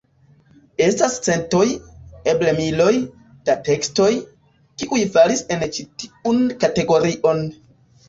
Estas centoj, eble miloj, da tekstoj, kiuj falis en ĉi tiun kategorion.